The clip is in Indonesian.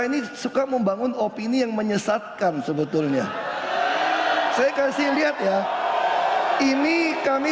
ini suka membangun opini yang menyesatkan sebetulnya saya kasih lihat ya ini kami